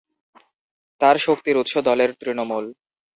তাঁর শক্তির উৎস দলের তৃণমূল।